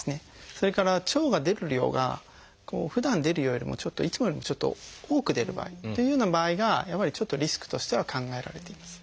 それから腸が出る量がふだん出るよりもいつもよりもちょっと多く出る場合というような場合がやっぱりちょっとリスクとしては考えられています。